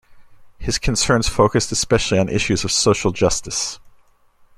His concerns focused especially on issues of social justice.